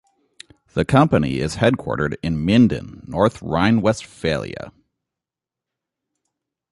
The company is headquartered in Minden, North Rhine-Westphalia.